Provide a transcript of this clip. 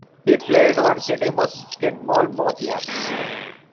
He played varsity basketball both years.